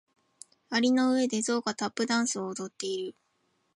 蟻の上でゾウがタップダンスを踊っている。